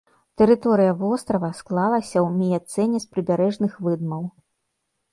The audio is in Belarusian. Тэрыторыя вострава склалася ў міяцэне з прыбярэжных выдмаў.